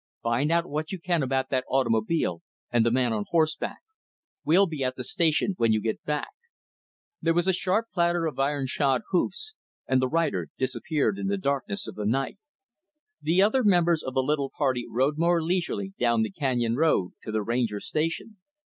"Find out what you can about that automobile and the man on horseback. We'll be at the Station when you get back." There was a sharp clatter of iron shod hoofs, and the rider disappeared in the darkness of the night. The other members of the little party rode more leisurely down the canyon road to the Ranger Station.